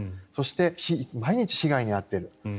そして、毎日被害に遭っている。